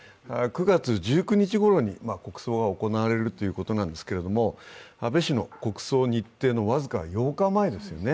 ９月１９日ごろに国葬が行われるということなんですが安倍氏の国葬日程の僅か８日前ですよね。